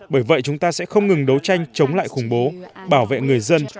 bởi vậy chúng ta sẽ không ngừng đấu tranh chống lại khủng bố bảo vệ người dân